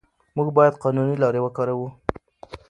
موږ باید قانوني لارې وکاروو.